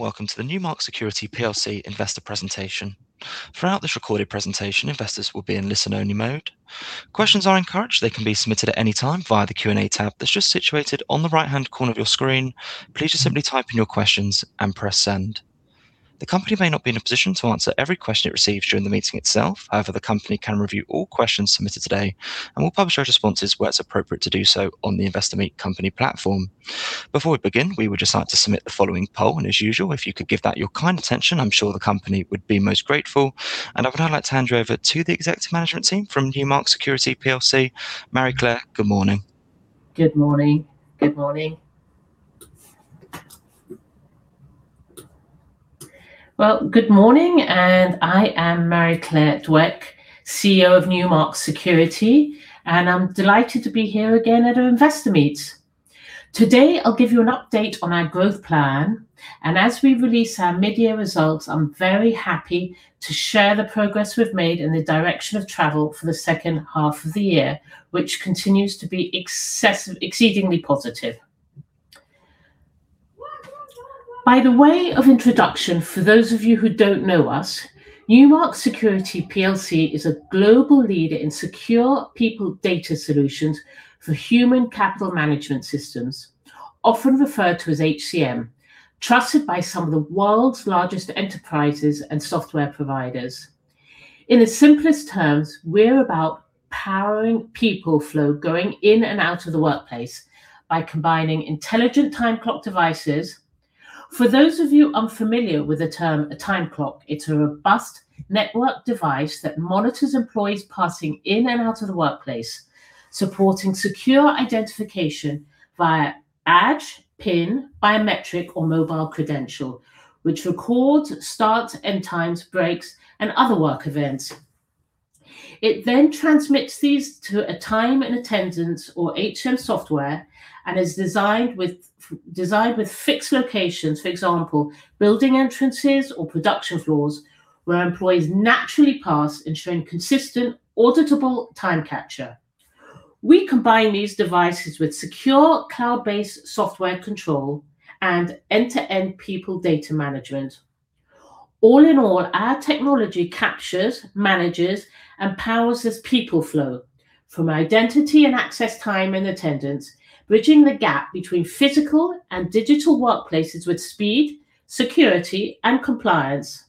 Welcome to the Newmark Security PLC investor presentation. Throughout this recorded presentation, investors will be in listen-only mode. Questions are encouraged. They can be submitted at any time via the Q&A tab that's just situated on the right-hand corner of your screen. Please just simply type in your questions and press send. The company may not be in a position to answer every question it receives during the meeting itself. However, the company can review all questions submitted today and will publish those responses where it's appropriate to do so on the Investor Meet Company platform. Before we begin, we would just like to submit the following poll, and as usual, if you could give that your kind attention, I'm sure the company would be most grateful, and I would now like to hand you over to the executive management team from Newmark Security PLC. Marie-Claire, good morning. Good morning. Good morning, and I am Marie-Claire Dwek, CEO of Newmark Security, and I'm delighted to be here again at our investor meet. Today, I'll give you an update on our growth plan, and as we release our mid-year results, I'm very happy to share the progress we've made in the direction of travel for the second half of the year, which continues to be exceedingly positive. By way of introduction, for those of you who don't know us, Newmark Security PLC is a global leader in secure people data solutions for human capital management systems, often referred to as HCM, trusted by some of the world's largest enterprises and software providers. In the simplest terms, we're about powering people flow going in and out of the workplace by combining intelligent time clock devices. For those of you unfamiliar with the term a time clock, it's a robust network device that monitors employees passing in and out of the workplace, supporting secure identification via badge, PIN, biometric, or mobile credential, which records starts and times, breaks, and other work events. It then transmits these to a time and attendance or HCM software and is designed with fixed locations, for example, building entrances or production floors where employees naturally pass, ensuring consistent, auditable time capture. We combine these devices with secure cloud-based software control and end-to-end people data management. All in all, our technology captures, manages, and powers this people flow from identity and access time and attendance, bridging the gap between physical and digital workplaces with speed, security, and compliance.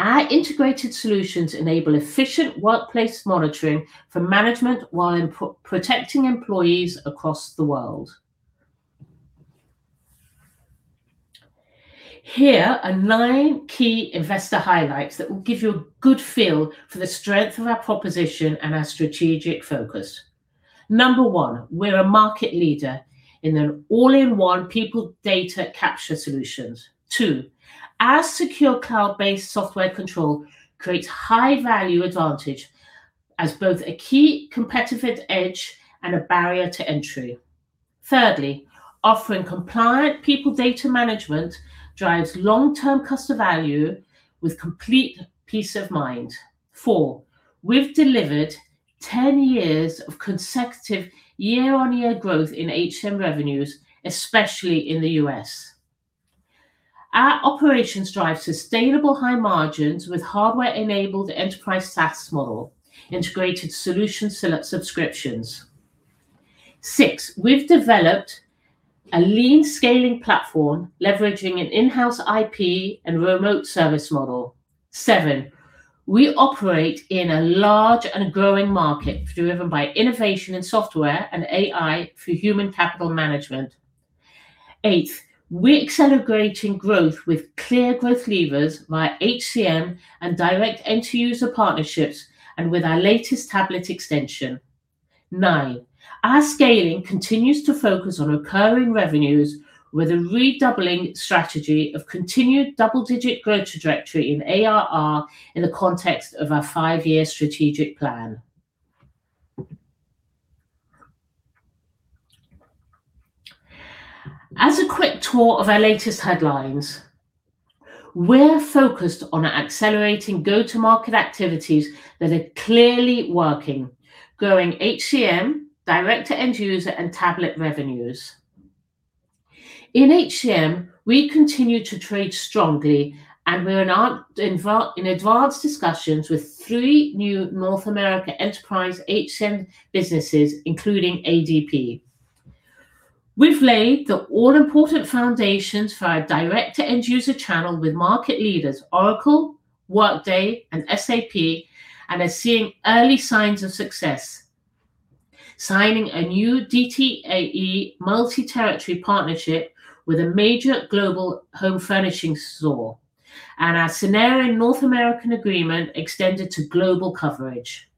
Our integrated solutions enable efficient workplace monitoring for management while protecting employees across the world. Here are nine key investor highlights that will give you a good feel for the strength of our proposition and our strategic focus. Number one, we're a market leader in an all-in-one people data capture solution. Two, our secure cloud-based software control creates high-value advantage as both a key competitive edge and a barrier to entry. Thirdly, offering compliant people data management drives long-term customer value with complete peace of mind. Four, we've delivered 10 years of consecutive year-on-year growth in HCM revenues, especially in the U.S. Our operations drive sustainable high margins with hardware-enabled enterprise SaaS model, integrated solution subscriptions. Six, we've developed a lean scaling platform leveraging an in-house IP and remote service model. Seven, we operate in a large and growing market driven by innovation in software and AI for human capital management. Eighth, we're accelerating growth with clear growth levers via HCM and direct-to-end-user partnerships and with our latest tablet extension. Nine, our scaling continues to focus on recurring revenues with a redoubling strategy of continued double-digit growth trajectory in ARR in the context of our five-year strategic plan. As a quick tour of our latest headlines, we're focused on accelerating go-to-market activities that are clearly working, growing HCM, direct-to-end-user, and tablet revenues. In HCM, we continue to trade strongly, and we're in advanced discussions with three new North America enterprise HCM businesses, including ADP. We've laid the all-important foundations for our direct-to-end-user channel with market leaders Oracle, Workday, and SAP, and are seeing early signs of success, signing a new D2E multi-territory partnership with a major global home furnishing store, and our Synerion North American agreement extended to global coverage.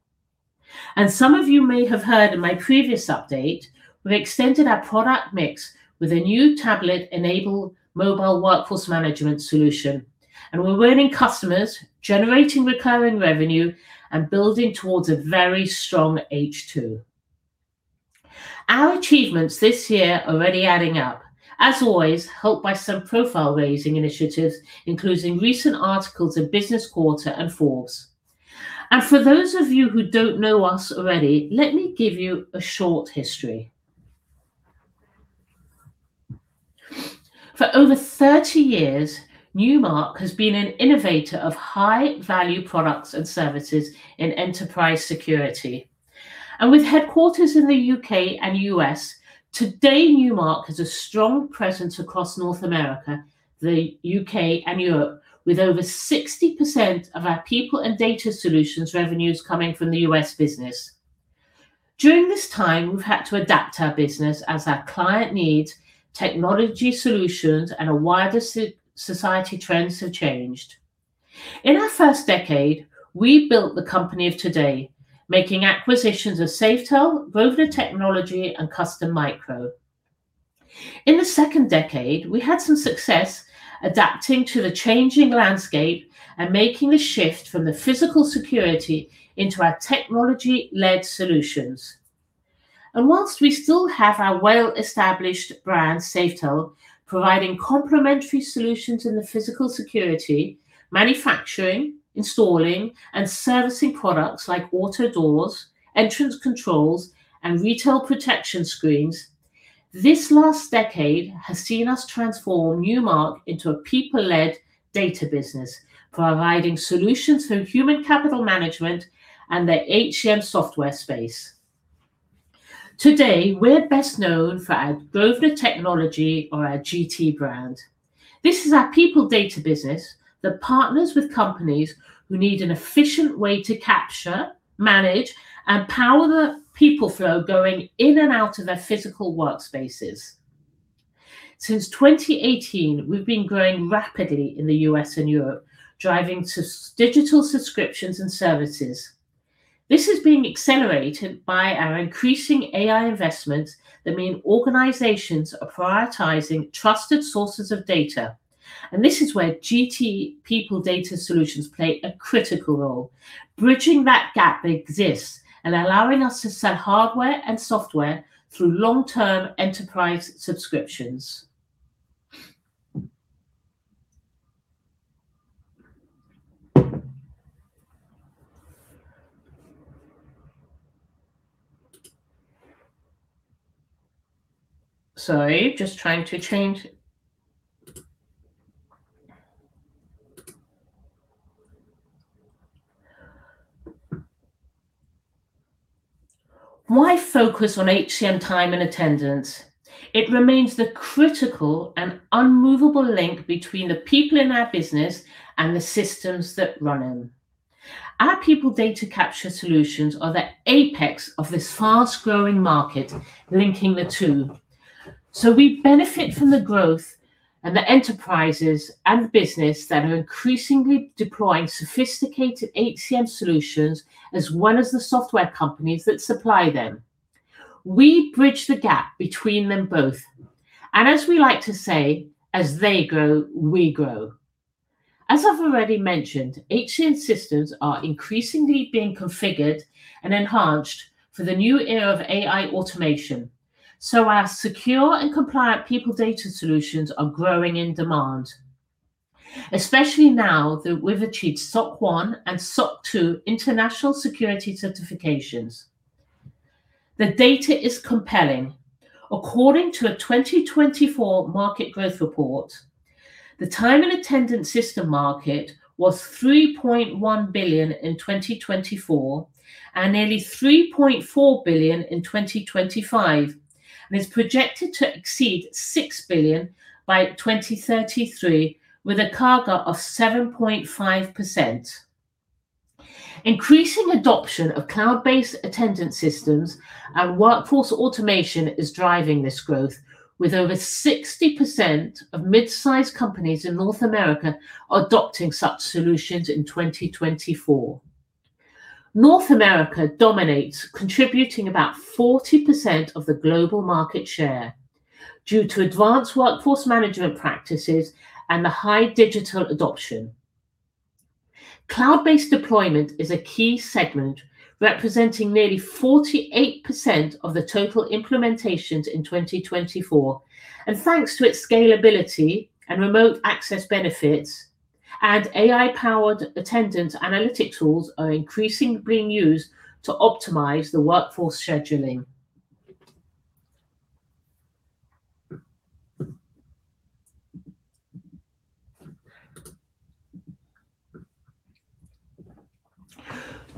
Some of you may have heard in my previous update, we've extended our product mix with a new tablet-enabled mobile workforce management solution, and we're winning customers, generating recurring revenue, and building towards a very strong H2. Our achievements this year are already adding up, as always, helped by some profile-raising initiatives, including recent articles in Business Quarter and Forbes. For those of you who don't know us already, let me give you a short history. For over 30 years, Newmark has been an innovator of high-value products and services in enterprise security. With headquarters in the U.K. and U.S., today, Newmark has a strong presence across North America, the U.K., and Europe, with over 60% of our people and data solutions revenues coming from the U.S. business. During this time, we've had to adapt our business as our client needs, technology solutions, and wider societal trends have changed. In our first decade, we built the company of today, making acquisitions of Safetell, Grosvenor Technology, and Custom Micro. In the second decade, we had some success adapting to the changing landscape and making the shift from physical security into our technology-led solutions, while we still have our well-established brand, Safetell, providing complementary solutions in physical security, manufacturing, installing, and servicing products like auto doors, entrance controls, and retail protection screens. This last decade has seen us transform Newmark into a people data business, providing solutions for human capital management and the HCM software space. Today, we're best known for our Grosvenor Technology or our GT brand. This is our people data business that partners with companies who need an efficient way to capture, manage, and power the people flow going in and out of their physical workspaces. Since 2018, we've been growing rapidly in the U.S. and Europe, driving digital subscriptions and services. This is being accelerated by our increasing AI investments that mean organizations are prioritizing trusted sources of data, and this is where GT people data solutions play a critical role, bridging that gap that exists and allowing us to sell hardware and software through long-term enterprise subscriptions. Sorry, just trying to change. Why focus on HCM time and attendance? It remains the critical and unmovable link between the people in our business and the systems that run them. Our people data capture solutions are the apex of this fast-growing market, linking the two. We benefit from the growth and the enterprises and business that are increasingly deploying sophisticated HCM solutions as well as the software companies that supply them. We bridge the gap between them both. And as we like to say, as they grow, we grow. As I've already mentioned, HCM systems are increasingly being configured and enhanced for the new era of AI automation. So our secure and compliant people data solutions are growing in demand, especially now that we've achieved SOC 1 and SOC 2 international security certifications. The data is compelling. According to a 2024 market growth report, the time and attendance system market was $3.1 billion in 2024 and nearly $3.4 billion in 2025, and it's projected to exceed $6 billion by 2033 with a CAGR of 7.5%. Increasing adoption of cloud-based attendance systems and workforce automation is driving this growth, with over 60% of mid-sized companies in North America adopting such solutions in 2024. North America dominates, contributing about 40% of the global market share due to advanced workforce management practices and the high digital adoption. Cloud-based deployment is a key segment representing nearly 48% of the total implementations in 2024, and thanks to its scalability and remote access benefits, AI-powered attendance analytic tools are increasingly being used to optimize the workforce scheduling.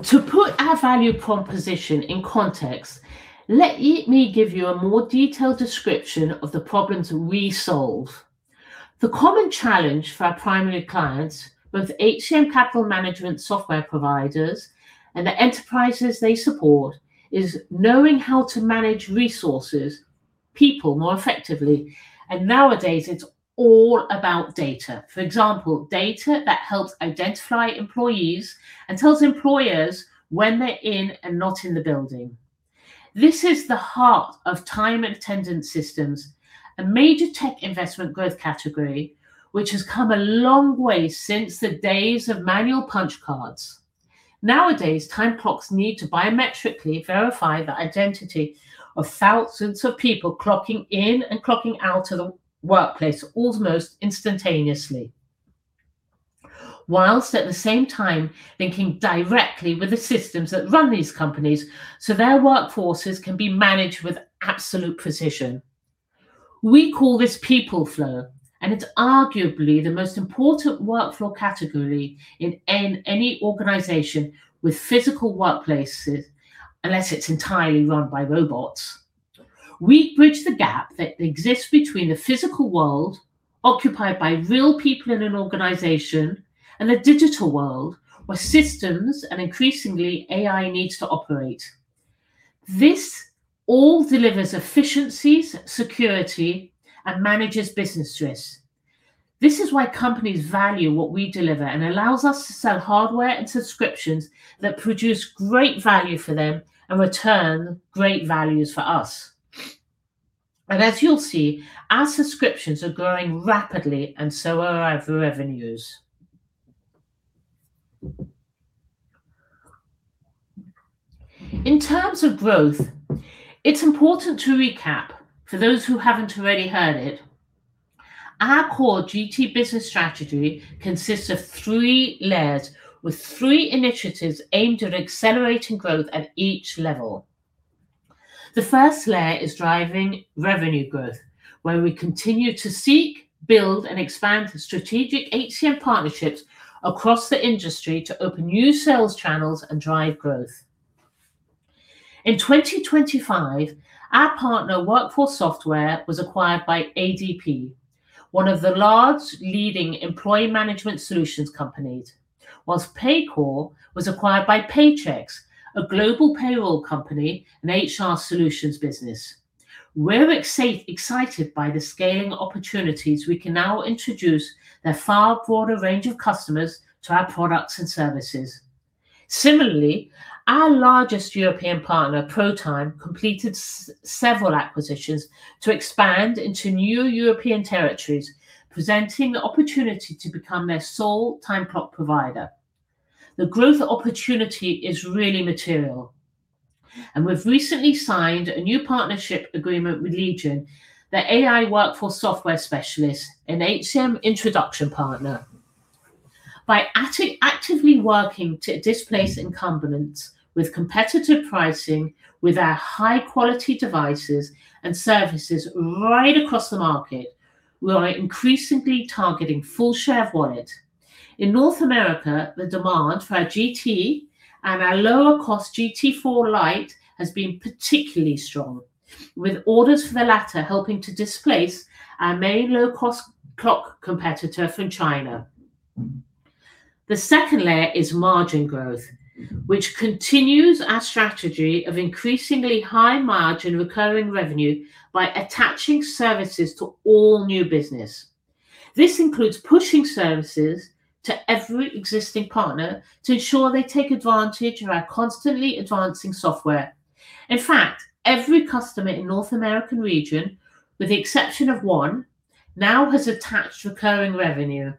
To put our value proposition in context, let me give you a more detailed description of the problems we solve. The common challenge for our primary clients, both HCM and capital management software providers and the enterprises they support, is knowing how to manage resources, people more effectively, and nowadays, it's all about data. For example, data that helps identify employees and tells employers when they're in and not in the building. This is the heart of time and attendance systems, a major tech investment growth category, which has come a long way since the days of manual punch cards. Nowadays, time clocks need to biometrically verify the identity of thousands of people clocking in and clocking out of the workplace almost instantaneously, whilst at the same time linking directly with the systems that run these companies so their workforces can be managed with absolute precision. We call this people flow, and it's arguably the most important workflow category in any organization with physical workplaces unless it's entirely run by robots. We bridge the gap that exists between the physical world occupied by real people in an organization and the digital world where systems and increasingly AI needs to operate. This all delivers efficiencies, security, and manages business risks. This is why companies value what we deliver and allows us to sell hardware and subscriptions that produce great value for them and return great values for us. And as you'll see, our subscriptions are growing rapidly, and so are our revenues. In terms of growth, it's important to recap for those who haven't already heard it. Our core GT business strategy consists of three layers with three initiatives aimed at accelerating growth at each level. The first layer is driving revenue growth, where we continue to seek, build, and expand strategic HCM partnerships across the industry to open new sales channels and drive growth. In 2025, our partner workforce software was acquired by ADP, one of the large leading employee management solutions companies, whilst Paycor was acquired by Paychex, a global payroll company and HR solutions business. We're excited by the scaling opportunities we can now introduce to a far broader range of customers to our products and services. Similarly, our largest European partner, Protime, completed several acquisitions to expand into new European territories, presenting the opportunity to become their sole time clock provider. The growth opportunity is really material, and we've recently signed a new partnership agreement with Legion, the AI workforce software specialist and HCM introduction partner. By actively working to displace incumbents with competitive pricing with our high-quality devices and services right across the market, we are increasingly targeting full share of wallet. In North America, the demand for our GT and our lower-cost GT4 Lite has been particularly strong, with orders for the latter helping to displace our main low-cost clock competitor from China. The second layer is margin growth, which continues our strategy of increasingly high margin recurring revenue by attaching services to all new business. This includes pushing services to every existing partner to ensure they take advantage of our constantly advancing software. In fact, every customer in the North American region, with the exception of one, now has attached recurring revenue.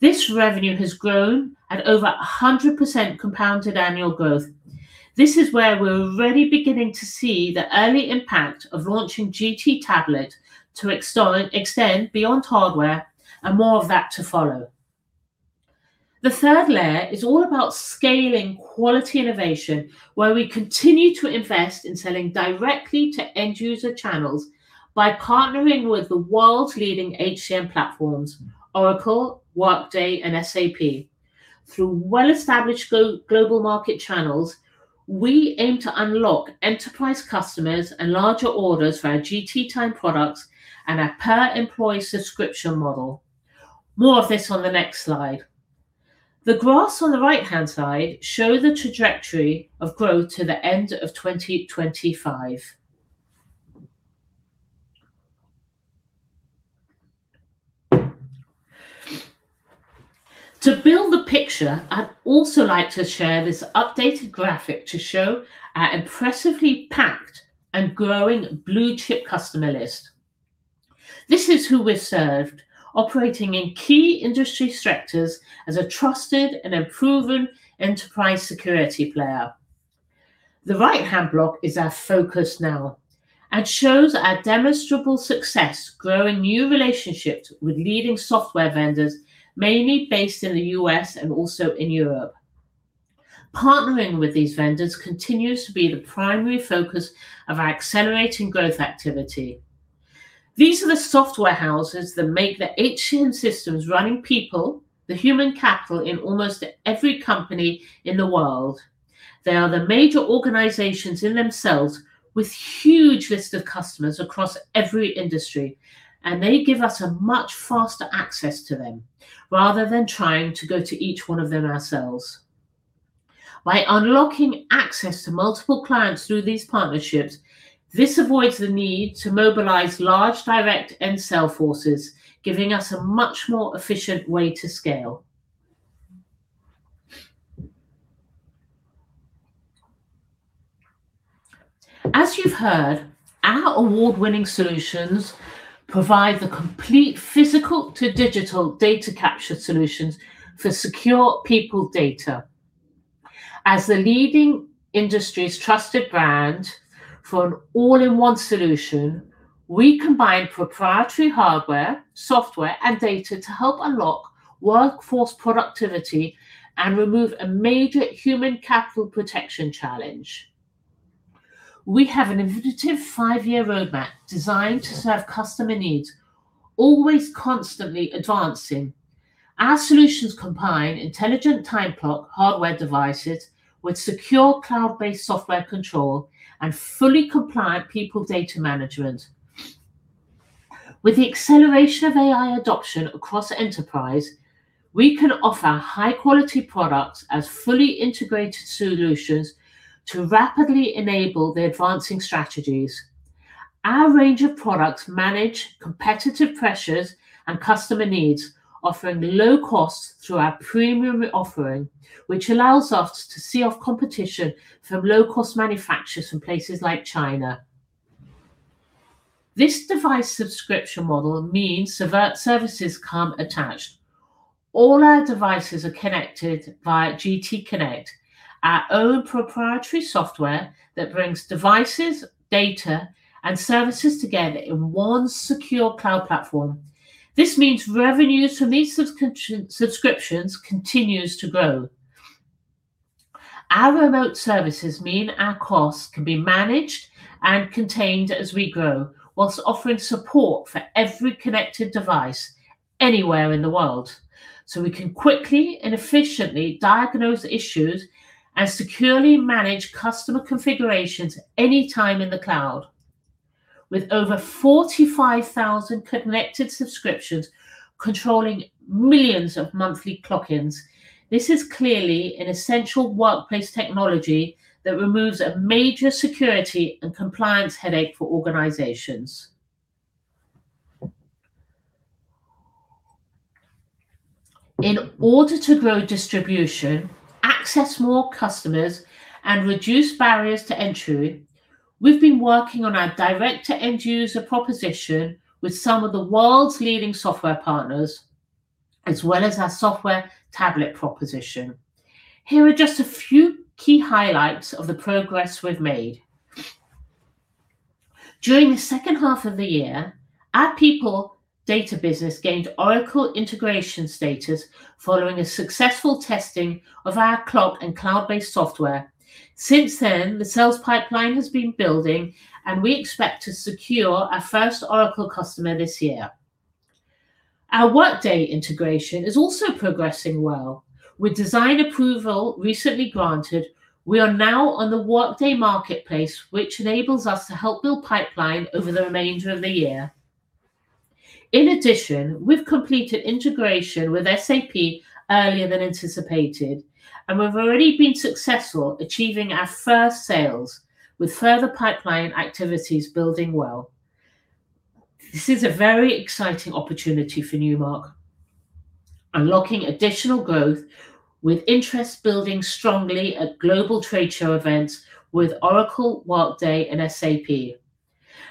This revenue has grown at over 100% compound annual growth. This is where we're already beginning to see the early impact of launching GT Tablet to extend beyond hardware and more of that to follow. The third layer is all about scaling quality innovation, where we continue to invest in selling directly to end-user channels by partnering with the world's leading HCM platforms, Oracle, Workday, and SAP. Through well-established global market channels, we aim to unlock enterprise customers and larger orders for our GT Time products and our per-employee subscription model. More of this on the next slide. The graphs on the right-hand side show the trajectory of growth to the end of 2025. To build the picture, I'd also like to share this updated graphic to show our impressively packed and growing blue-chip customer list. This is who we've served, operating in key industry sectors as a trusted and proven enterprise security player. The right-hand block is our focus now and shows our demonstrable success growing new relationships with leading software vendors, mainly based in the U.S. and also in Europe. Partnering with these vendors continues to be the primary focus of our accelerating growth activity. These are the software houses that make the HCM systems running people the human capital in almost every company in the world. They are the major organizations in themselves with huge lists of customers across every industry, and they give us a much faster access to them rather than trying to go to each one of them ourselves. By unlocking access to multiple clients through these partnerships, this avoids the need to mobilize large direct and sales forces, giving us a much more efficient way to scale. As you've heard, our award-winning solutions provide the complete physical-to-digital data capture solutions for secure people data. As the leading industry's trusted brand for an all-in-one solution, we combine proprietary hardware, software, and data to help unlock workforce productivity and remove a major human capital protection challenge. We have an innovative five-year roadmap designed to serve customer needs, always constantly advancing. Our solutions combine intelligent time clock hardware devices with secure cloud-based software control and fully compliant people data management. With the acceleration of AI adoption across enterprise, we can offer high-quality products as fully integrated solutions to rapidly enable the advancing strategies. Our range of products manage competitive pressures and customer needs, offering low costs through our premium offering, which allows us to see off competition from low-cost manufacturers from places like China. This device subscription model means services come attached. All our devices are connected via GT Connect, our own proprietary software that brings devices, data, and services together in one secure cloud platform. This means revenues from these subscriptions continue to grow. Our remote services mean our costs can be managed and contained as we grow, while offering support for every connected device anywhere in the world, so we can quickly and efficiently diagnose issues and securely manage customer configurations anytime in the cloud. With over 45,000 connected subscriptions controlling millions of monthly clock-ins, this is clearly an essential workplace technology that removes a major security and compliance headache for organizations. In order to grow distribution, access more customers, and reduce barriers to entry, we've been working on our direct-to-end-user proposition with some of the world's leading software partners, as well as our software tablet proposition. Here are just a few key highlights of the progress we've made. During the second half of the year, our people data business gained Oracle integration status following a successful testing of our clock and cloud-based software. Since then, the sales pipeline has been building, and we expect to secure our first Oracle customer this year. Our Workday integration is also progressing well. With design approval recently granted, we are now on the Workday Marketplace, which enables us to help build pipeline over the remainder of the year. In addition, we've completed integration with SAP earlier than anticipated, and we've already been successful achieving our first sales, with further pipeline activities building well. This is a very exciting opportunity for Newmark, unlocking additional growth with interests building strongly at global trade show events with Oracle, Workday, and SAP,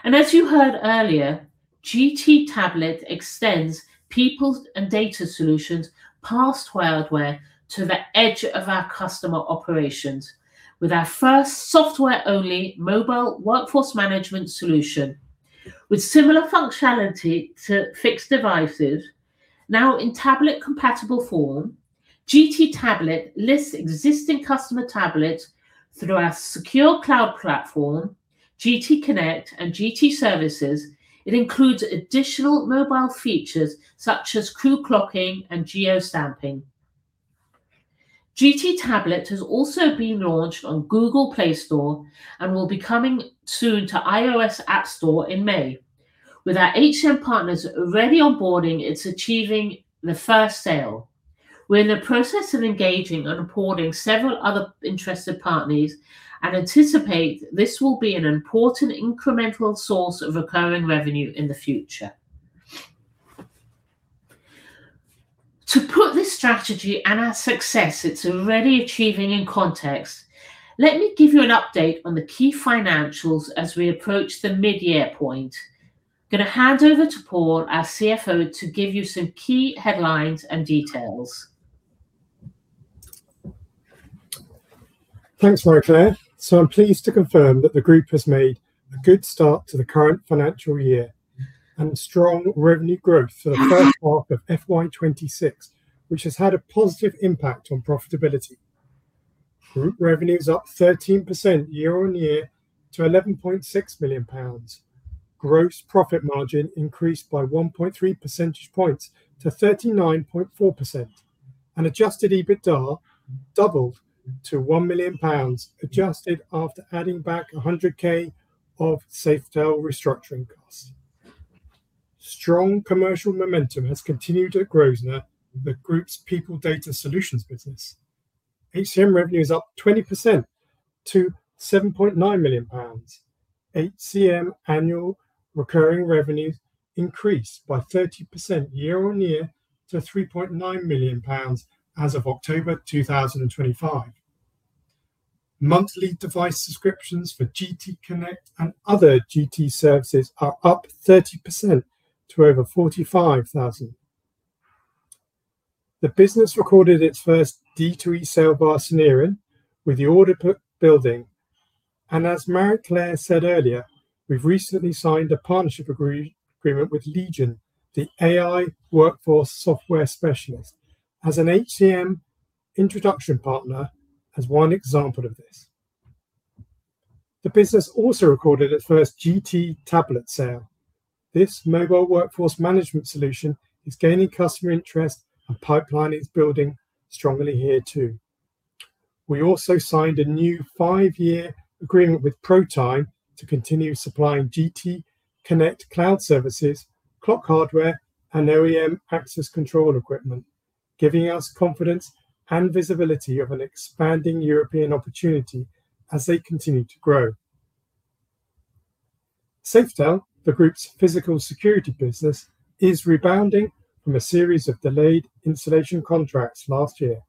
and as you heard earlier, GT Tablet extends people and data solutions past hardware to the edge of our customer operations with our first software-only mobile workforce management solution. With similar functionality to fixed devices, now in tablet-compatible form, GT Tablet lists existing customer tablets through our secure cloud platform, GT Connect, and GT Services. It includes additional mobile features such as crew clocking and geostamping. GT Tablet has also been launched on Google Play Store and will be coming soon to iOS App Store in May. With our HCM partners already onboarding, it's achieving the first sale. We're in the process of engaging and onboarding several other interested partners and anticipate this will be an important incremental source of recurring revenue in the future. To put this strategy and our success, it's already achieving in context. Let me give you an update on the key financials as we approach the mid-year point. I'm going to hand over to Paul, our CFO, to give you some key headlines and details. Thanks, Marie-Claire. I'm pleased to confirm that the group has made a good start to the current financial year and strong revenue growth for the first half of FY 2026, which has had a positive impact on profitability. Group revenues are up 13% year-on-year to 11.6 million pounds. Gross profit margin increased by 1.3 percentage points to 39.4%, and adjusted EBITDA doubled to 1 million pounds, adjusted after adding back 100,000 of Safetell restructuring costs. Strong commercial momentum has continued at Grosvenor, the group's people data solutions business. HCM revenues are up 20% to 7.9 million pounds. HCM annual recurring revenues increased by 30% year-on-year to 3.9 million pounds as of October 2025. Monthly device subscriptions for GT Connect and other GT services are up 30% to over 45,000. The business recorded its first D2E sale by Synerion, with the order book building. As Marie-Claire said earlier, we've recently signed a partnership agreement with Legion, the AI workforce software Specialist, as an HCM introduction partner, as one example of this. The business also recorded its first GT Tablet sale. This mobile workforce management solution is gaining customer interest and pipeline is building strongly here too. We also signed a new five-year agreement with Protime to continue supplying GT Connect cloud services, clock hardware, and OEM access control equipment, giving us confidence and visibility of an expanding European opportunity as they continue to grow. Safetell, the group's physical security business, is rebounding from a series of delayed installation contracts last year.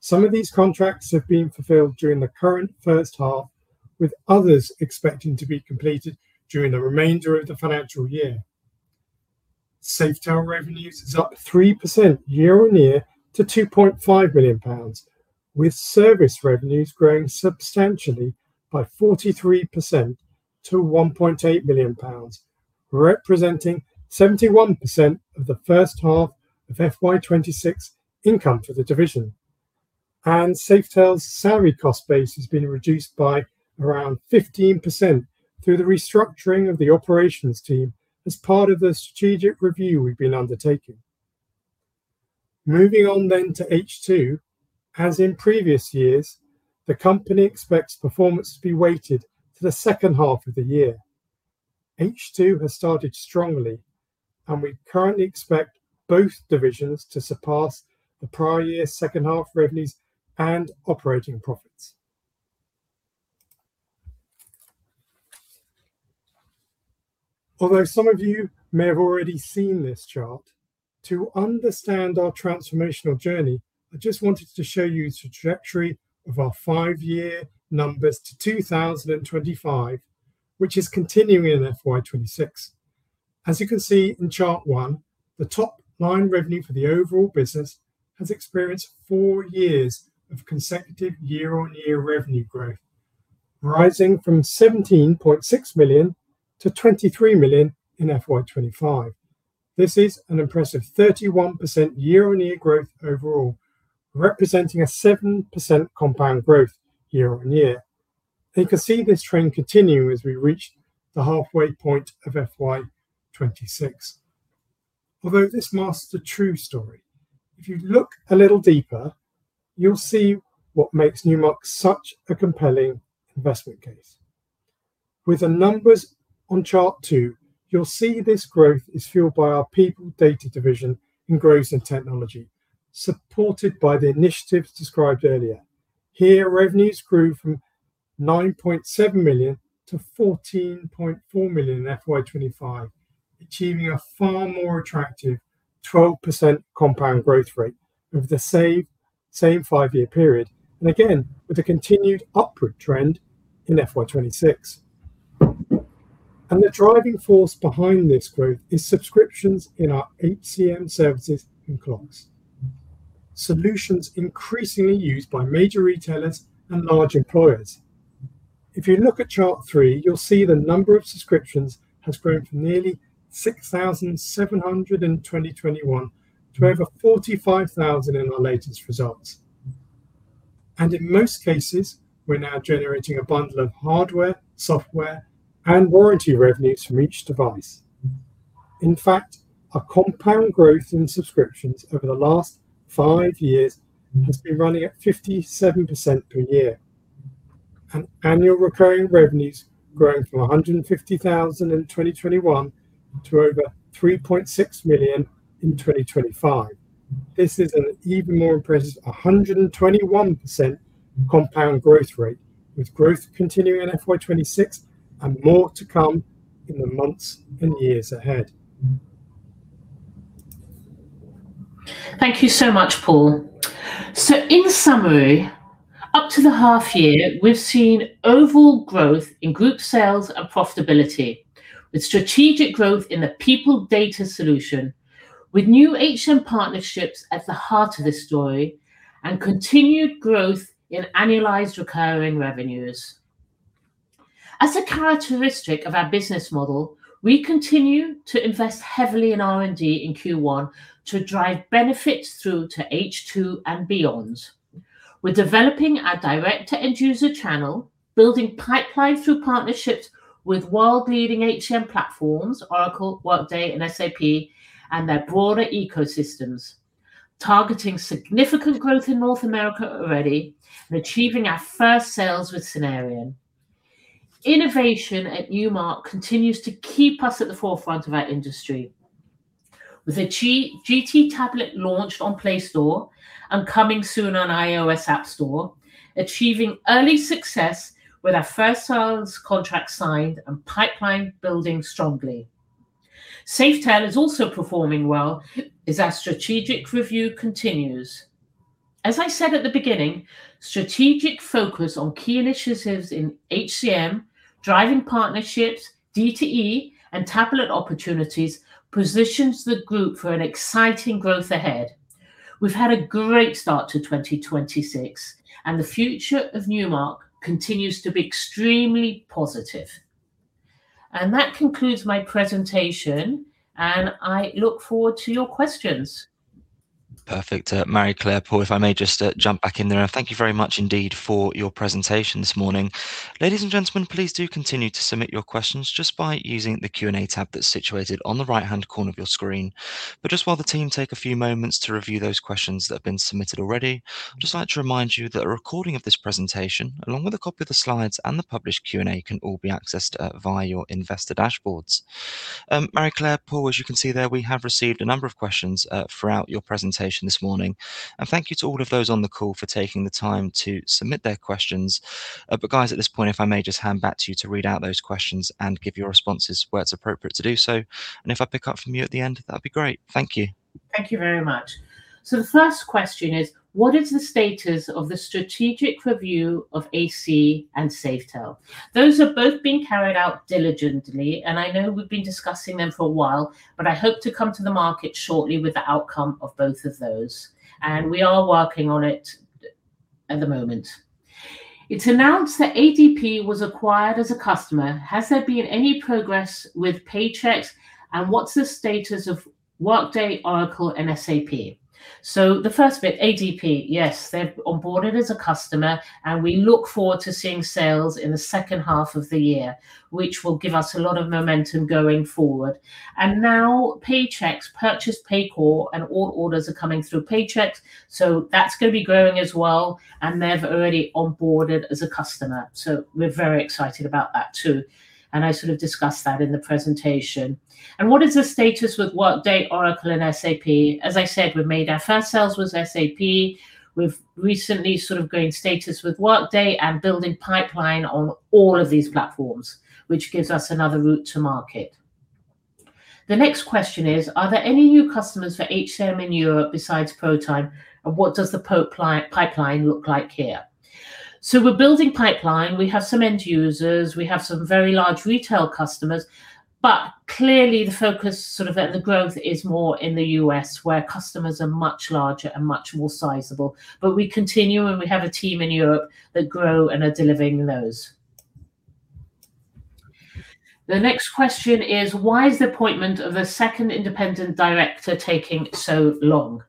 Some of these contracts have been fulfilled during the current first half, with others expecting to be completed during the remainder of the financial year. Safetell revenues are up 3% year-on-year to 2.5 million pounds, with service revenues growing substantially by 43% to 1.8 million pounds, representing 71% of the first half of FY 2026 income for the division, and Safetell's salary cost base has been reduced by around 15% through the restructuring of the operations team as part of the strategic review we've been undertaking. Moving on then to H2, as in previous years, the company expects performance to be weighted to the second half of the year. H2 has started strongly, and we currently expect both divisions to surpass the prior year's second-half revenues and operating profits. Although some of you may have already seen this chart, to understand our transformational journey, I just wanted to show you the trajectory of our five-year numbers to 2025, which is continuing in FY 2026. As you can see in chart one, the top line revenue for the overall business has experienced four years of consecutive year-on-year revenue growth, rising from 17.6 million-23 million in FY 2025. This is an impressive 31% year-on-year growth overall, representing a 7% compound growth year-on-year. They can see this trend continue as we reach the halfway point of FY 2026. Although this masks the true story, if you look a little deeper, you'll see what makes Newmark such a compelling investment case. With the numbers on chart two, you'll see this growth is fueled by our people data division, Grosvenor Technology, supported by the initiatives described earlier. Here, revenues grew from 9.7 million to 14.4 million in FY 2025, achieving a far more attractive 12% compound growth rate over the same five-year period, and again, with a continued upward trend in FY 2026. And the driving force behind this growth is subscriptions in our HCM services and clocks, solutions increasingly used by major retailers and large employers. If you look at chart three, you'll see the number of subscriptions has grown from nearly 6,700 in 2021 to over 45,000 in our latest results. And in most cases, we're now generating a bundle of hardware, software, and warranty revenues from each device. In fact, our compound growth in subscriptions over the last five years has been running at 57% per year, and annual recurring revenues growing from 150,000 in 2021 to over 3.6 million in 2025. This is an even more impressive 121% compound growth rate, with growth continuing in FY 2026 and more to come in the months and years ahead. Thank you so much, Paul. In summary, up to the half year, we've seen overall growth in group sales and profitability, with strategic growth in the people data solution, with new HCM partnerships at the heart of this story, and continued growth in annualized recurring revenues. As a characteristic of our business model, we continue to invest heavily in R&D in Q1 to drive benefits through to H2 and beyond. We're developing our direct-to-end-user channel, building pipelines through partnerships with world-leading HCM platforms, Oracle, Workday, and SAP, and their broader ecosystems, targeting significant growth in North America already and achieving our first sales with Synerion. Innovation at Newmark continues to keep us at the forefront of our industry, with a GT Tablet launched on Play Store and coming soon on iOS App Store, achieving early success with our first sales contract signed and pipeline building strongly. Safetell is also performing well as our strategic review continues. As I said at the beginning, strategic focus on key initiatives in HCM, driving partnerships, D2E, and tablet opportunities positions the group for an exciting growth ahead. We've had a great start to 2026, and the future of Newmark continues to be extremely positive. And that concludes my presentation, and I look forward to your questions. Perfect. Marie-Claire, Paul, if I may just jump back in there, thank you very much indeed for your presentation this morning. Ladies and gentlemen, please do continue to submit your questions just by using the Q&A tab that's situated on the right-hand corner of your screen. But just while the team take a few moments to review those questions that have been submitted already, I'd just like to remind you that a recording of this presentation, along with a copy of the slides and the published Q&A, can all be accessed via your investor dashboards. Marie-Claire, Paul, as you can see there, we have received a number of questions throughout your presentation this morning. And thank you to all of those on the call for taking the time to submit their questions. But guys, at this point, if I may just hand back to you to read out those questions and give your responses where it's appropriate to do so. And if I pick up from you at the end, that'd be great. Thank you. Thank you very much. So the first question is, what is the status of the strategic review of AC and Safetell? Those have both been carried out diligently, and I know we've been discussing them for a while, but I hope to come to the market shortly with the outcome of both of those. We are working on it at the moment. It's announced that ADP was acquired as a customer. Has there been any progress with Paychex, and what's the status of Workday, Oracle, and SAP? The first bit, ADP, yes, they've onboarded as a customer, and we look forward to seeing sales in the second half of the year, which will give us a lot of momentum going forward. Now Paychex purchased Paycor, and all orders are coming through Paychex. That's going to be growing as well, and they've already onboarded as a customer. We're very excited about that too. I sort of discussed that in the presentation. What is the status with Workday, Oracle, and SAP? As I said, we've made our first sales with SAP. We've recently sort of gained status with Workday and building pipeline on all of these platforms, which gives us another route to market. The next question is, are there any new customers for HCM in Europe besides ProTime? And what does the pipeline look like here? We're building pipeline. We have some end users. We have some very large retail customers. Clearly, the focus sort of at the growth is more in the U.S., where customers are much larger and much more sizable. We continue, and we have a team in Europe that grow and are delivering those. The next question is, why is the appointment of the second independent director taking so long?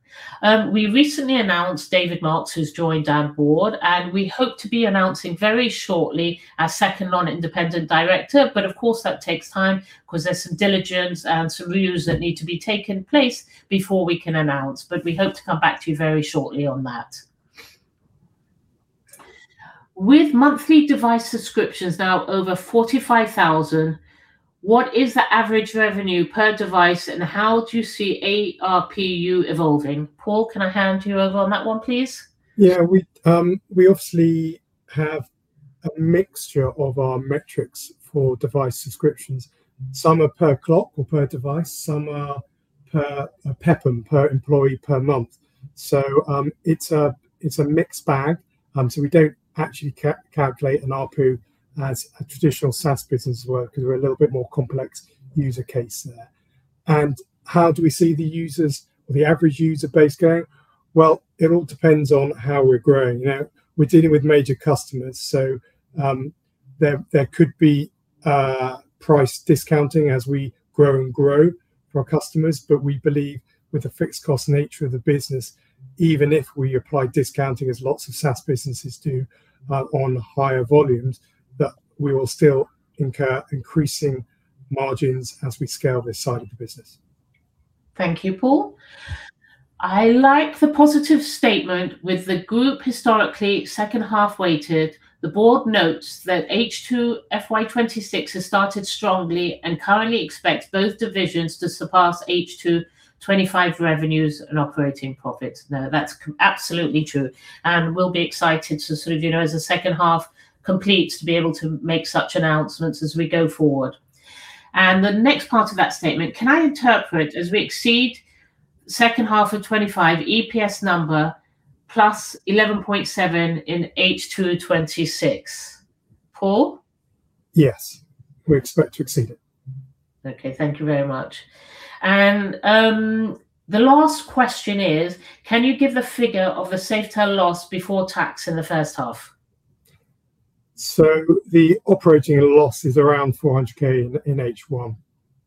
We recently announced David Marks, who's joined our board, and we hope to be announcing very shortly our second non-independent director, but of course, that takes time because there's some diligence and some rules that need to be taken place before we can announce. But we hope to come back to you very shortly on that. With monthly device subscriptions now over 45,000, what is the average revenue per device, and how do you see ARPU evolving? Paul, can I hand you over on that one, please? Yeah, we obviously have a mixture of our metrics for device subscriptions. Some are per clock or per device. Some are per PEPM, per employee per month. So it's a mixed bag, so we don't actually calculate an ARPU as a traditional SaaS business work because we're a little bit more complex user case there. How do we see the users or the average user base going? It all depends on how we're growing. We're dealing with major customers. There could be price discounting as we grow and grow for our customers. We believe with the fixed cost nature of the business, even if we apply discounting as lots of SaaS businesses do on higher volumes, that we will still incur increasing margins as we scale this side of the business. Thank you, Paul. I like the positive statement. With the group historically second-half weighted, the board notes that H2 FY 2026 has started strongly and currently expects both divisions to surpass H2 2025 revenues and operating profits. Now, that's absolutely true. We'll be excited to sort of, you know, as the second half completes, to be able to make such announcements as we go forward. And the next part of that statement, can I interpret as we exceed second half of 25 EPS number plus 11.7 in H2 26? Paul? Yes, we expect to exceed it. Okay, thank you very much. And the last question is, can you give the figure of the Safetell loss before tax in the first half? So the operating loss is around 400,000 in H1.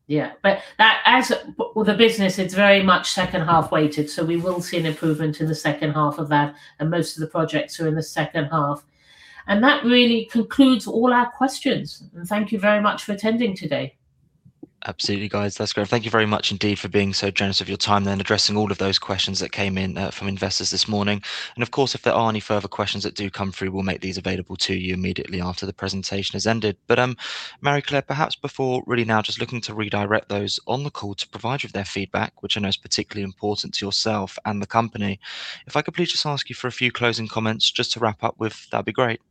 Yeah, but as with the business, it's very much second-half weighted. So we will see an improvement in the second half of that. And most of the projects are in the second half. And that really concludes all our questions. And thank you very much for attending today. Absolutely, guys. That's great. Thank you very much indeed for being so generous of your time and addressing all of those questions that came in from investors this morning. Of course, if there are any further questions that do come through, we'll make these available to you immediately after the presentation has ended. Marie-Claire, perhaps before really now just looking to redirect those on the call to provide you with their feedback, which I know is particularly important to yourself and the company. If I could please just ask you for a few closing comments just to wrap up with, that'd be great.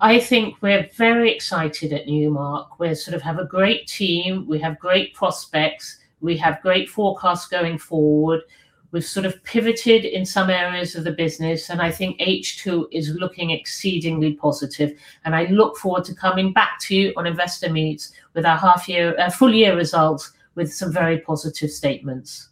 I think we're very excited at Newmark. We sort of have a great team. We have great prospects. We have great forecasts going forward. We've sort of pivoted in some areas of the business. I think H2 is looking exceedingly positive. I look forward to coming back to you on investor meets with our half-year, full-year results with some very positive statements.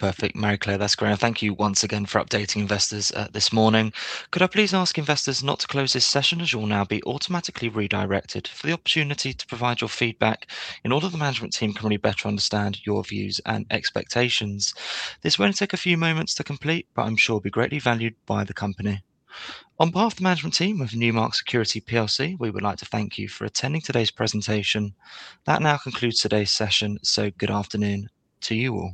Perfect. Marie-Claire, that's great. And thank you once again for updating investors this morning. Could I please ask investors not to close this session as you will now be automatically redirected for the opportunity to provide your feedback in order the management team can really better understand your views and expectations? This won't take a few moments to complete, but I'm sure it will be greatly valued by the company. On behalf of the management team of Newmark Security PLC, we would like to thank you for attending today's presentation. That now concludes today's session. So, good afternoon to you all.